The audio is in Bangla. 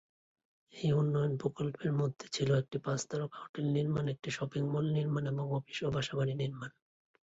এই উন্নয়ন প্রকল্পের মধ্যে ছিল একটি পাঁচ তারকা হোটেল নির্মাণ, একটি শপিং মল নির্মাণ এবং অফিস ও বাসা-বাড়ি নির্মাণ।